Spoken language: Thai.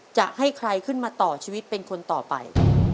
จะให้ใครขึ้นมาต่อชีวิตเป็นคนต่อไป